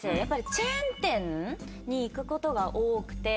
チェーン店に行くことが多くて。